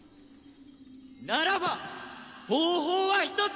ならば方法は１つ！